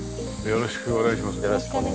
よろしくお願いします。